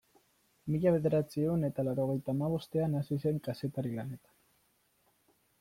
Mila bederatziehun eta laurogeita hamabostean hasi zen kazetari lanetan.